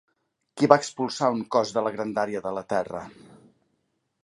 Qui va expulsar un cos de la grandària de la terra?